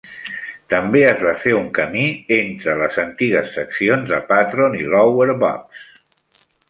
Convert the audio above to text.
També es va fer un camí entre les antigues seccions de Patron i Lower Box.